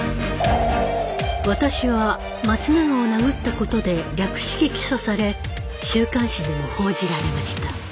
私は松永を殴ったことで略式起訴され週刊誌でも報じられました。